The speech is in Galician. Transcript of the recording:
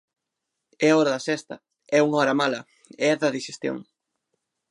É a hora da sesta, é unha hora mala, é a da dixestión.